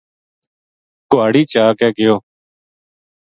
کُہاڑی چا کے گیو